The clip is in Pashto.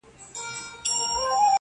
کلونه پس چي درته راغلمه، ته هغه وې خو؛~